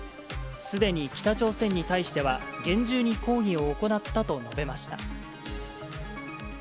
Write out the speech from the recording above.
すでに北朝鮮に対しては、厳重に抗議を行ったと述べました。